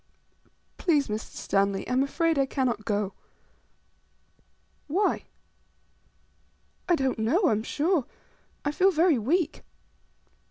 "Please, Mr. Stanley, I am afraid I cannot go." "Why?" "I don't know, I am sure. I feel very weak."